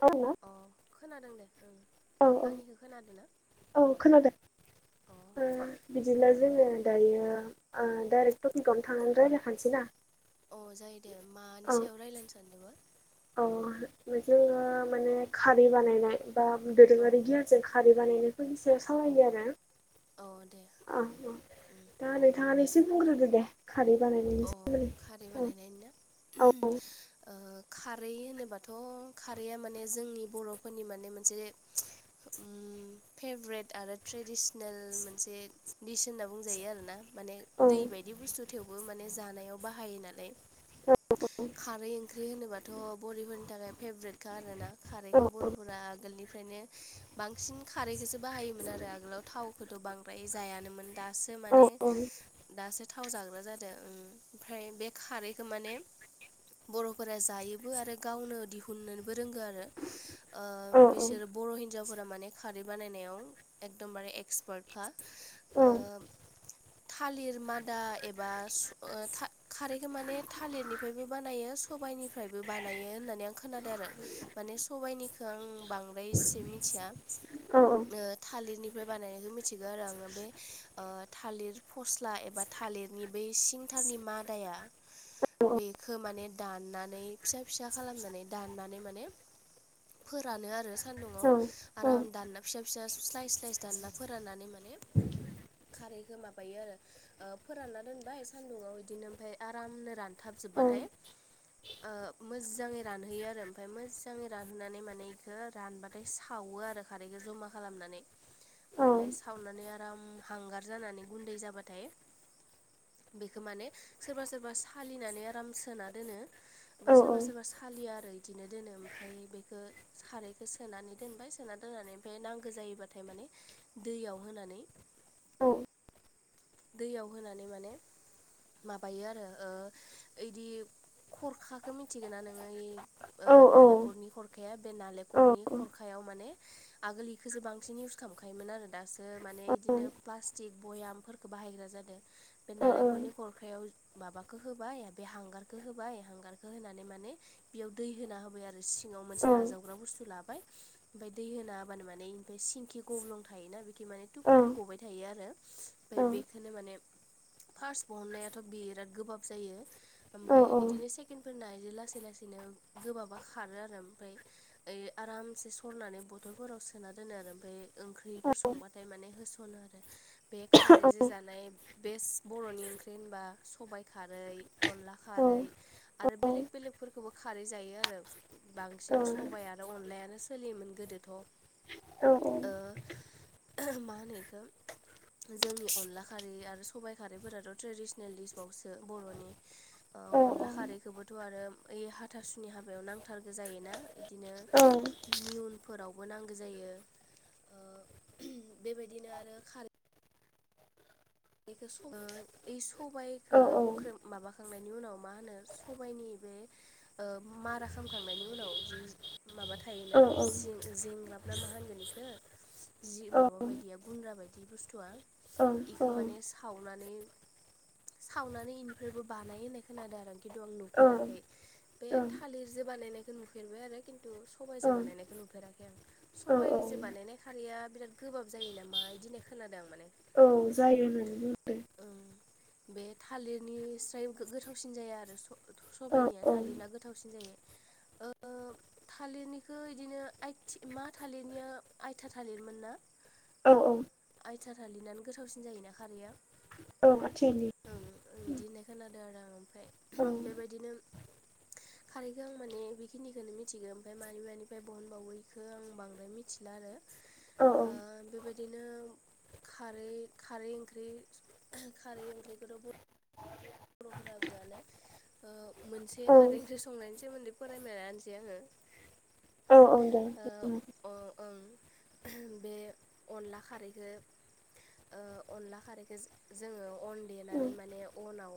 औ अ खोनादों दे ओं आंनिखौ खोनादों ना ओं खोनादों अ ओ बिदिब्ला जोङो दायो ओ डाइरेक्ट टपिकआवनो थांनानै रायज्लायखानोसै ना अ जायो दे मानि सायाव रायज्लायनो सानदोंमोन अ जोङो माने खारै बानायनाय बा अ दोरोङारि गियानजों खारै बानायनायफोरनि सायाव सावरायलायो अ दे आरो अ अ उम दा नोंथाङानो एसे बुंग्रोदो दे खारै बानायनायनि अ सोमोन्दै खारै औ बानायनायनि ना औ खारै होनोबाथ' खारैया माने जोंनि बर'फोरनि माने मोनसे फेभ्रेट आरो ट्रेडिस नेल मोनसे डिस होनना बुंजायो आरोना माने औ दै बायदि सुबुं थेवबो बो माने जानायाव बाहायोनालाय खारै ओंख्रि ओंख्रि होनोबाथ' बरफोरनि थाखाय फेभ्रेटखा आरोना औ खारैखौ बर'फोरा आगोलनिफ्रायनो बांसिन खारैखौसो बाहायोमोन आरो आगोलाव थावखौथ' बांद्राय जायानोमोन दासो औ माने औ दासो थाव जाग्रा जादों ओमफ्राय बे खारैखौ माने बर'फोरा जायोबो आरो गावनो दिहुननोबो रोंगो आरो ओ औ बिसोरो बर' हिनजाव फोर माने खारै बानायनायाव एकदमबारे एक्सपार्टखा औ थालिर मादा ए बा खारैखौ माने थालिरनिफ्रायबो बानायो सबायनिफ्रायबो बानायो होननानै आं खोनादों आरो माने सबायनिखौ आं बांद्राय मिथिया औ ओ थालिरनिफ्राय बानायनायखौ मिथिगौ आरो आङो बे थालिर फस्ला एबा थालिर नि बै सिंथारनि मादाया बेखौ माने दाननानै फिसा फिसा खालामनानै दाननानै माने फोरानो आरो सान्दुङाव आराम दानना फिसा-फिसा स्लायस-स्लायस दानना फोराननानै माने खारैखो माबायो आरो ओ फोरानना दोनबाय सान्दुङाव इदिनो ओमफाय आरामनो औ रानथाबजोबबाथाय ओ मोज्जाङै रानहोयो आरो ओमफ्राय मोज्जाङै रानहोनानै माने इखो रानबाथाय साव वो आरो खारैखो ज'मा खालामनानै ओमफाय सावनानै आराम हांगार जानानै गुन्दै जाबाथाय बेखो माने सोरबा-सोरबा सालिनानै आराम सोना दोनो ओमफाय औ सोरबा - सोरबा सालिया ओ इदिनो दोनो ओमफाय बेखो खारैखो सोनानै दोनबाय सोना दोननानै ओमफाय नांगो जायोबाथाय माने दैयाव होनानै औ दैयाव होनानै माने माबायो आरो ओ ओइदि खरखाखो मिथिगोना नोङो ओ नालेखरनि खरखाया बे नालेखरनि खरखायाव माने आगोल इखोसो बांसिन इउस खामखायोमोन आरो दासो माने इदिनो प्लास्टिक बयाम फोर बाहायग्रा जादों बे औ औ नालेखलनि खरखायाव माबाखो होबाय बे हांगारखो होबाय गारखो होनानै माने बेयाव दै होना होबाय आरो सिङाव जायो मोनसे आजावग्रा बुस्थु लाबाय ओमफाय दै होना होबानो माने ओमफाय सिंखि गब्लं थायोना बिथिमाने तुप तुप होननानै गबाय थायो आरो फाय बुंदों बेखोनो माने फार्स बहननायाथ' बिराद गोबाब जायो औ ओमफाय इदिनो सेकेनफोर नाय बि लासै लासै लासैनो गोबाबा खारो आरो ओमफाय ओइ आरामसे सरनानै बथलफोराव सोना दोनो आरो ओमफाय ओंख्रिफोर संबाथाय माने होसनो आरो बे खारैजो जानाय बेस्ट बर'नि ओंख्रि होनबा सबाइ खारै अनला खारै आरो बेलेग बेलेगफोरखौबो खारै जायो आरो बांसिन सबाइ आरो अनलाया नो सोलियोमोन गोदोथ' ओ [unintelligible] मा होनो इखो जोंनि अनला खारै आरो सबाइ खारिफोराथ' ट्रेडिसनेल दिस बावसो बर'नि ओ अनला खारैखोबोथ' आरो ओइ हाथासुनि हाबायाव नांथारगो जायोना इदिनो नियुन फोरावबो नांगो जायो ओ [unintelligible] बेबायदिनो आरो खारै [unintelligible] ओइ सबायखो हुख्रेम माबाख खांनायनि उनाव मा होनो सबायनि बे ओ मारा खामखांनायनि उनाव जि माबा थायोना जिं-जिंलाब ना मा होनगोन इखो जि माबा बायदिया गुन्द्रा बायदि बुस्थुआ इख खो माने सावनानै सावनानै इनिफ्रायबो बानायो होननाय खोनादो आरो खिन्थु आं नुफेराखै बे थालिरजो बानायनायखो नुफेरबाय आरो किन्तु सबाइजो बानायनायखो नुफेराखै आं सबायजो बानायनाय खारैया बिराद गोबाब जायो नामा इदि होननाय खोनादो आं माने औ जायो होननानै बुंदो ओं बे थालिरनि स्राय गो-गोथावसिन जाया आरो स-सबायनिया थालिरना गोथावसिन जायो [inaudible] थालिरनिखो इदिनो आयथि मा थालिरनिया आइथा थालिरमोन ना औ औ आयथा थालिरनानो गोथावसिन जायोना खारैया [unintelligible] आं बिदि होननाय खोनादो आरो आं ओमफाय औ [unintelligible] बेबायदिनो खारैखो आं माने बेखिनिखोनो मिथिगो ओमफाय मानि-मानिफ्राय बहनबावो इखो आं बांद्राय मिथि [unintelligible] ओ बेबायदिनो खारै - खारै ओंख्रि खारै ओंख्रिखौथ' बर'फोराबोआनो ओ मोनसे औ खारै ओख्रि संनायनि सोमोन्दै फरायबायानोसै आङो औ औ दे ओ अ ओं बे अनला खारैखो ओ अनला खारैखौ जोङो अन देनानै माने अनाव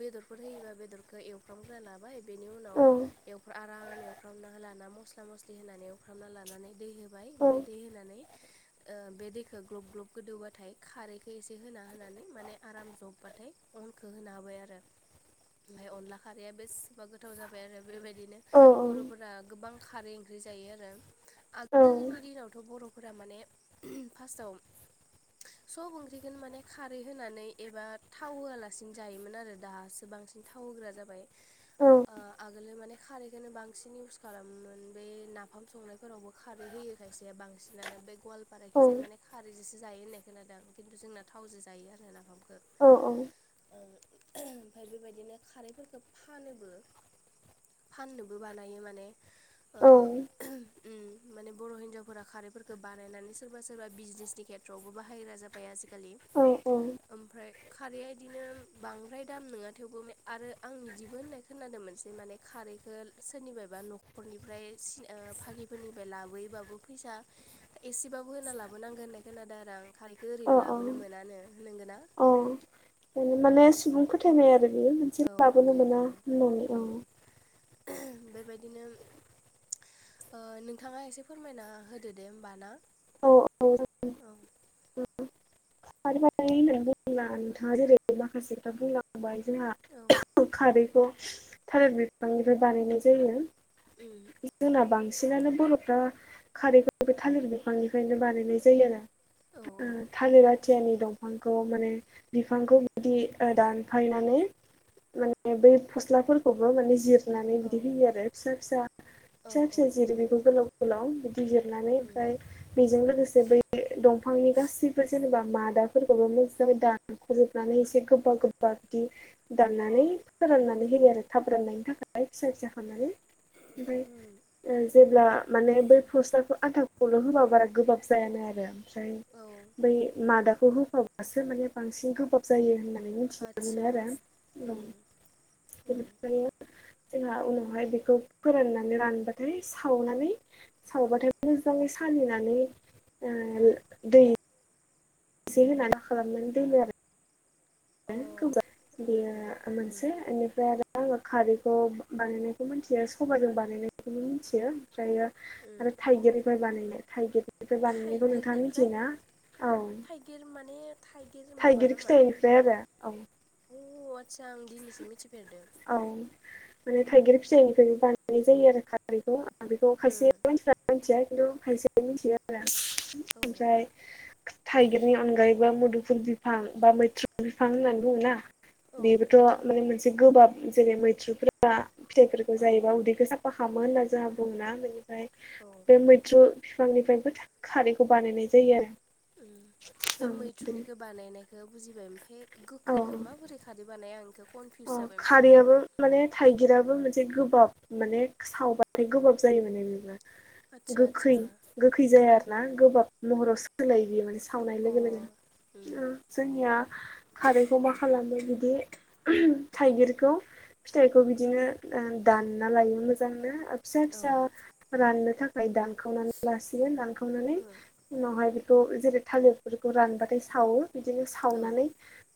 बेदरफोर होयोबा बेदरखौ एवफ्रामग्रा लाबाय बेनि उनाव औ आराम एवफ्रामना लाना मस्ला मस्लि होनानै एवफ्रामना लानानै दै होबाय औ ओमफफ्राय दै होनानै बे दैखौ ग्लब ग्लब गोदौबाथाय खारैखौ एसे होना होनानै माने आराम जबबाथाय खौ होनो हाबाय आरो ओमफ्राय अनला खारैया बेसेबा गोथाव जाबाय आरो बेबायदि औ औ बर'फोरा गोबां खारै ओंख्रि जायो आरो आगोलनि दिनावथ' बर' फोर माने फार्स्टाव सब ओंख्रिगोन माने खारै होनानै एबा थाव होआलासे बांसिन जायोमोन आरो दासो बांसिन थाव होग्रा जाबाय आगोलो माने खारैखौनो बांसिन इउस खालामोमोन बे नाफाम संनायफोरावबो खारै हो खायसे बांसिनानो बे गवालपारा खिजाय माने खारैजोंसो जायो होन्नाय खोनादों खिन्थु जोंना थावजो जायो आरो नाफामखौ औ औ ओमफफ्राय बेबायदिनो खारैफोरखौ फानोबो फाननोबो बानायो माने ओ औ उम माने बर' हिन्जावफोरा खारैफोरखौ बानायनानै सोरबा सोरबा बिजनेसनि खेथ्रआवबो बाहायग्रा जाबाय आजिखालि ओमफ्राय खारैया इदिनो बांद्राय दाम नङा थेवबो आरो आं निदिबो होननाय खोनादों मोनसे माने खारैखौ सोरनिबा िनि लाब फब होना ला लाबोनांगोन होननाय खोनादों आरो आं खारैख ओरैनो औ औ लाबोनो मोनानो होनगोना माने सुबुं फोथायनाय आरो बेयो बसिन औ लाबोनो मोना ओंखायनोथ' होननानै उम औ बेबायदिनो नोंथाङा एसे फोरमायना होदो दे होमबा ना औ औ बुंब्ला नोंथाङा जेरै माखासे खोथा बुंलांबाय जोंहा औ खारैखौ थार बि बिफांनिफ्राय बानायनाय जायो उम जोंाब बां बांसिनानो बर'फ्रा खारैखौ बे थालिर बिफांनिफ्रायनो बानायनाय जायो औ आरो कालिरवाथियानि दंफांखौ खौ माने बिफांखौ बिदि दानफायनानै माने बै फस्लाफोरखौबो माने जिर नानै औ बि होयो आरो फ फि औ फि औ फि ज उम बेखौ गोलाव गोलाव बिदि जिरनानै उम बे लोगोसे ब दंफांनि गै जेबा मादा गोबां मोजाङै दानख'जोबनानै एसे गोबा गोबा बिदि अ दाननानै फोराननानै होयो आरो थाब राननायनि थाखाय फिसा फिसा खालामनानै उम ओमफ्राय जेब्ला माने बै पस्टारखौ आथा खौल' होबा बारा गोबाब जायानो आरो ओमफ्राय औ बै मादाखौ हो गोबाबासो माने बांसिन गोबाब जायो होनना मिथिनो मोनो आतसा आरो उम उम बेनिफ्राय जोंहा उनावहाय बेखौ फोराननानै रानबाथाय सावनानै औ सावबाथाय मोजाङै सालिनानै उम दै एसे होनानैा खालामनानै दोनो आरो अ मज उम उम बेयो उम मोनसे बेनिफ्राय आरो आङो खारैखौ बानायनायखौ मिथियो सबजों बानायनाय नो मिथि ओमफ्रायो उम आरो थाइगिरफोर बानायनाय थाइ थिरजों बानायनायखौ नोंथाङा थाइगिरनिफ्राय मिथियोना? औ थाइगिरजों माबा थाइगिर नामा? फिथाइनिफ्राय आरो औ आदचसा आं दिनैसो मिथिफेरदों। औ माने थाइगिर फिथनिफ्रायबो बानायनाय जायो आरो खारैखौ बेखौ खायसे उम मानसिफ्रा मिथिया। खायसे मिथियो आरो औ ओमफ्राय थाइगिरनि अनगायै बो मुदुफुल बिफां बा मै बिफां होननानै बुङोना औ बे माने मोनसे गोबाब जेरै मैथ्रुफोरा फिथाइफोरखौ औ जायोबा उदैखौ सा बफा खामो होनना जोंहा बुङोना बेनिफ्राय औ बे मैथ्रुम बिफांनिफ्रायबो खारैखौ बानायनाय जायो आरो। बे आं मैथ्रुंनिखौ बिदिनो बानायनायखौ बुजिबाय ओमफ्राय औ गोखैखौ औ माबोरै खारै बानायो आं बेखौ अ कनफिउस जाबाय माने खारैयाबो माने थाइगिराबो मोनसे गोबाब माने सावबाथाय गोबाब जायो माने बेबो आदसा गोखै आदसा गोखै जाया आरो ना गोबाब महराव सोलायो बियो माने सावनाय अ लोगो उम लोगो जोंनिया खारैखौ मा खालामो बिदि थाइगिरखौ फिथाइखौ बिदिनो दानना लायो मोजांनो फिसा फिसा राननो थाखाय दानखावनानै लासिगोन दानखावनानै उनावहाय बेखौ जेरै थालिरफोरखौ रानबाथाय सावो बिदिनो औ ओ सावनानै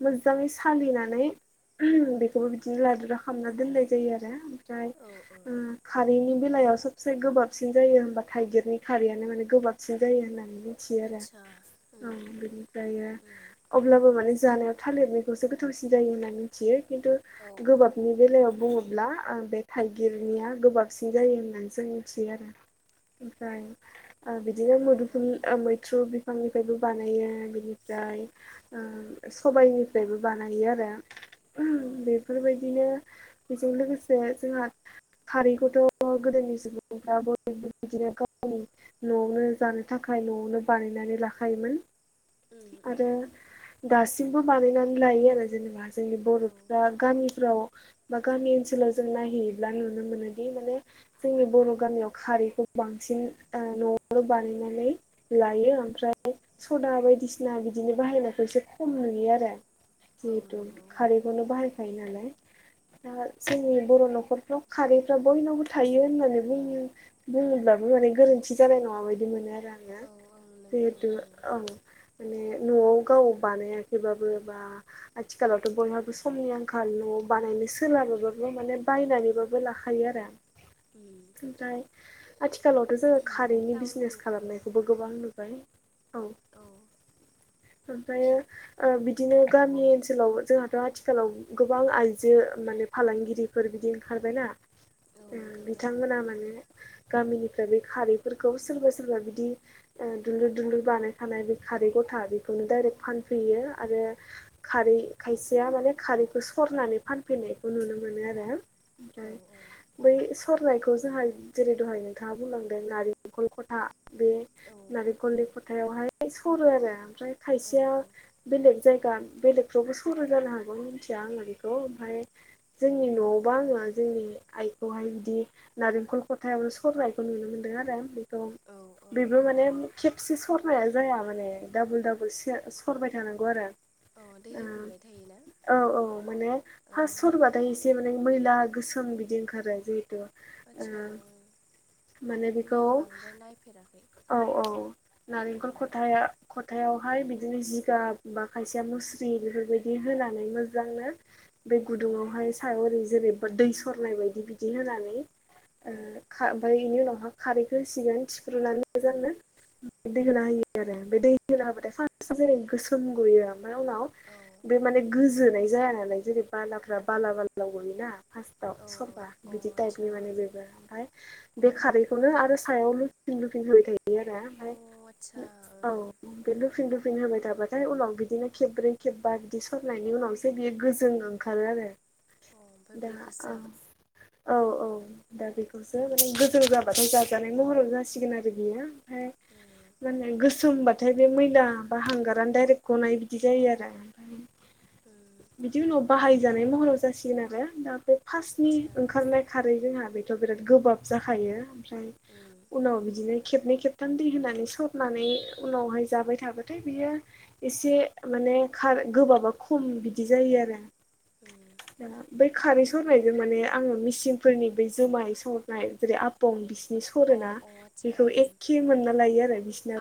मोजाङै सालिनानै बेखौबो बिदिनो लादुरा खालामना दोननाय जायो आरो ओमफ्राय औ औ उम खारैनि बेलायाव सबसे गोबाबसिन जायो होनबा थाइगिरनि खारैयानो माने गोबाबसिन जायो होननानै मिथियो आरो। आदसा औ उम बिनिफ्राय उम अब्लाबो माने जानायाव थालिरनिखौसो गोथावसिन जायो होनना मिथियो। खिन्थु औ गोबाबनि बेलायाव बुङोब्ला आं बे थाइगिरनिया गोबाबसिन जायो होननानै जों मिथियो आरो। ओमफ्राय बिदिनो औ मुदुफुल आ मै- थ्रु बिफांनिफ्रायबो बानायो बिनिफ्राय ओ सबायाइनिफ्रायबो बानायो आरो। दा उम बेफोरबायदिनो बेजों लोगोसे जोंहा खारैखौथ गोदोनि सुबुंफ्रा बयबो बिदिनो गावनि नआवनो जानो थाखाय नआवनो बानायनानै लाखायोमोन। आरो दासिमबो बानायनानै लायो आरो जेनेबा जोंनि उम औ बरफ्रा गामिफ्राव बा गामि ओनसोलाव जों नायहैयोब्ला नुनो मोनोदि माने जोंनि बर गामियाव खारैखौ बांसिन नआवनो बानायनानै लायो ओमफ्राय औ सना बायदिसिना बिदिनो बाहायनायखौ एसे खम नुयो आरो औ जिहेथु नंगौ बेनि बाहायखायो नालाय दा जोंनि बर नखरफ्राव खारैफ्रा बयनावबो थायो होननानै बुं बुङोब्लाबो माने गोरोन्थि जानाय नङा बायदि मोनो आरो ना? औ औ नंगौ जिहेथु नंगौ ओं औ माने नआव गाव बानायाखैबाबो बा आथिखालाव बयहाबो समनि आंखाल नआव बानायनो सोलाबाबाबो माने बायनानैबाबो लाखायो आरो। उम ओमफ्राय आथिखालावथ जोङो बे खारैनि बिजनेस टाउननि ओ खालामनायखौबो गोबां नुबाय। औ। ओमफ्रायो ओ बिदिनो गामि ओनसोलाव जोंहाथ आथिखालाव गोबां आइजो माने फालांगिरिफोर बिदि ओंखारबायना ओंखारबाय बिथांमोना आङो माने गामिनिफ्राय बे खारैफोरखौ सोरबा सोरबा बिदि दुलुर दुलुर बानाय खानाय बे खारै गथा बि- खौनो दायरेक फानफैयो आरो खारै खायसेया माने खारैखौ सरनानै फानफैयो। नायखौ नुनो मोनो आरो। औ ओमफ्राय औ बै सरनायखौ जोंहा जेरै दहाय नोंथाङा बुंलांदों नारेंखल खथा बे औ नारेंखलनि उम खथायावहाय सरो आरो ओमफ्राय औ खायसेया औ बेलेग जायगा बेलेगफ्रावबो सरो जानो हागौ मिथिया आङो बेखौ ओमफाय जोंनि औ न'आवबा आङो जोंनि आइखौहाय बिदि नारेंखल खथायाबो सरनायखौ नुयो। नुनो मोन्दों आरो बेखौ औ उम बेबो माने खेबसे सरनाया जाया माने डाबल डाबल सो सरबाय थानांगौ आरो औ दैहैफिनबाय थायोना औ औ माने औ फार्स सरबाथाय एसे मैला गोसोम बिदि ओंखारो जिहेथु आथसा ओ माने बेखौ औ औ नालेंखर उम खथा यावहाय बिदिनो जिगाब बा खायसेया मुस्रि बेफोरबायदि होनानै मोजांनो बे उम गुदुङावहाय सायाव ओरै जेरै दै सरनाय बायदि बिदि होनानै ओ औ ओमफाय बेनि उनावहा खारैखौ होसिगोन रुनानै उम मोजांनो दै उम होना होयो आरो बे दै होना बाथाय फारस्तआव जेरै गोसोम गयो ओमफ्राय उनाव औ बे माने गोजोनाय जाया नालाय जेरै बालाफ्रा बाला बाला गयो ना फास्स्टाव औ सरबा अ बिदि टाइपनि आदसा माने बेबो ओमफाय बे अ खारैखौनो आरो सायावनो लुफिनबाय थायो आरो अ ओमफ्राय आदसा औ ओं औ बे होफिनबाय थाबाथाय उनाव बिदिनो खेब्रै खेबबा बिदि सरनायनि उनावसो बियो गोजों ओंखारो आरो अ ओमफ्राय दा ब्रेकफास्ट आ जाबाय औ औ दा बेखौसो माने अ गोजों जाबाथाय जाजानाय महराव जासिगोन आरो बियो फाय उम माने गोसोमबाथाय बे मै दा बा हांगारानो डाइरेक्ट गनानै बिदि जायो आरो उम बिदि उनाव बाहायजानाय नोंथांनिफ्राय महराव जासिगोन आरो दा बे फार्स्टनि आदसा ओंखारनाय खारै जोंहा बिथ' बिराथ गोबाब जाखायो ओमफ्राय उम उनाव बिदिनो खेबनै खेबथाम दै होनानै सरनानै बै उनावहाय जाबाय थाबाथाय बियो एसे माने खारै गोबाबा खम बिदि जायो आरो उम बेै खारै सरनायजों माने आङो मिसिंफोरनि बे जुमाय सरनाय जेरै आपं बि बिदि अ सरोना अ आदसा बेखौ ओं एखे मोनना लायो आरो बिसोरनि